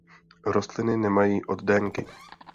Rostliny nemají oddenky.